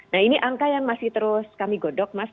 nah ini angka yang masih terus kami godok mas